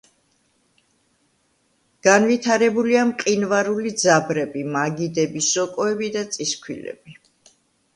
განვითარებულია მყინვარული ძაბრები, მაგიდები, სოკოები და წისქვილები.